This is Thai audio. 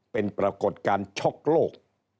เป็นปรากฏการณ์ช็อกโลก